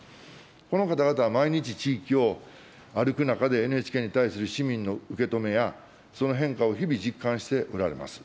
この方々は毎日、地域を歩く中で、ＮＨＫに対する市民の受け止めや、その変化を日々実感しておられます。